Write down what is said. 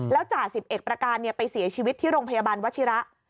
จ่าสิบเอกประการไปเสียชีวิตที่โรงพยาบาลวัชิระ